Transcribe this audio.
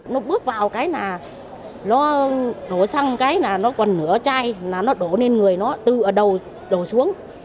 nó bước vào cái nà nó đổ xăng cái nà nó còn nửa chai nó đổ lên người nó từ đầu đổ xuống